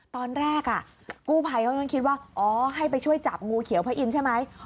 ตอนแรกกู้ภัยเขาต้องคิดว่าอ๋อให้ไปช่วยจับงูเขียวพระอินทร์ใช่ไหม